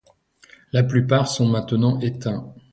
La plupart sont maintenant éteints.